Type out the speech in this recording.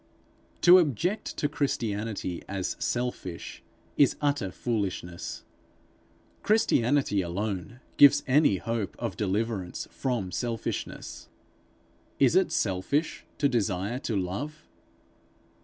To object to Christianity as selfish, is utter foolishness; Christianity alone gives any hope of deliverance from selfishness. Is it selfish to desire to love?